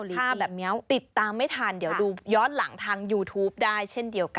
ภาพแบบนี้ติดตามไม่ทันเดี๋ยวดูย้อนหลังทางยูทูปได้เช่นเดียวกัน